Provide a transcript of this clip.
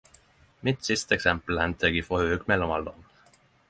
Mitt siste eksempel hentar eg frå høgmellomalderen.